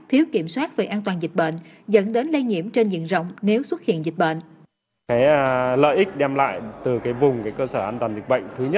thiếu kiểm soát về an toàn dịch bệnh dẫn đến lây nhiễm trên diện rộng nếu xuất hiện dịch bệnh